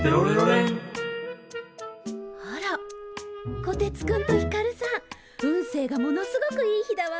あらコテツくんとひかるさん運勢がものすごくいい日だわ。